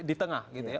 di tengah gitu ya